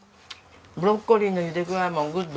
ブロッコリーのゆで具合もグッド！